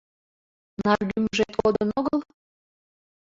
— Наргӱмыжет кодын огыл?